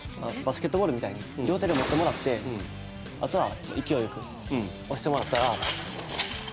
バスケットボールみたいに両手で持ってもらってあとは勢いよく押してもらったら。